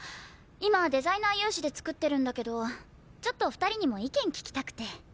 今デザイナー有志で作ってるんだけどちょっと２人にも意見聞きたくて。